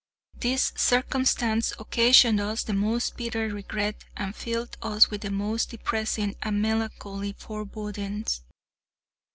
This circumstance occasioned us the most bitter regret and filled us with the most depressing and melancholy forebodings.